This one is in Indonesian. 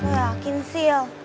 lo yakin sih el